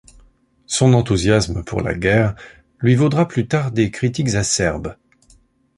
Son enthousiasme pour la guerre lui vaudra plus tard des critiques acerbes.